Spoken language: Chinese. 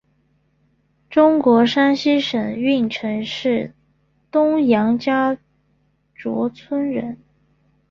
中国山西省运城市东杨家卓村人。